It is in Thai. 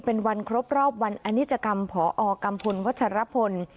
เป็นวันครบรอบวันอนิจกรรมพอกัมพลวัชรพล